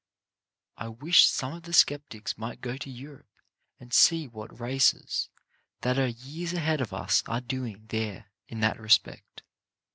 I wish some of the skeptics might go to Europe and see what races that are years ahead of us are doing there in that respect.